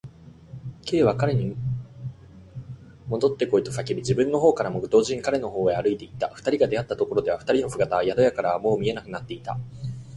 Ｋ は彼にもどってこいと叫び、自分のほうからも同時に彼のほうへ歩いていった。二人が出会ったところでは、二人の姿は宿屋からはもう見えなくなっていた。